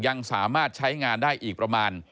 ยังสามารถใช้งานได้อีกประมาณ